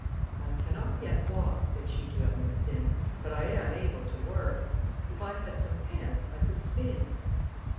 "I cannot yet walk," said she to Ernestine, "but I am able to work. If I had some hemp, I could spin."